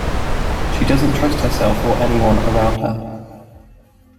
She doesn't trust herself or anyone around her.